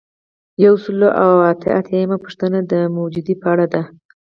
یو سل او اته اتیایمه پوښتنه د موجودیې په اړه ده.